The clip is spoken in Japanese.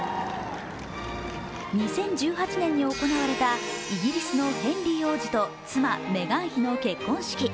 ２０１８年に行われたイギリスのヘンリー王子と妻・メガン妃の結婚式。